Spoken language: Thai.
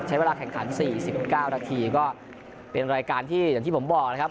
ใช้เวลาแข่งขัน๔๙นาทีก็เป็นรายการที่อย่างที่ผมบอกนะครับ